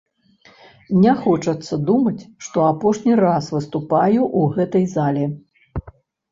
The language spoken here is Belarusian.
Не хочацца думаць, што апошні раз выступаю ў гэтай зале.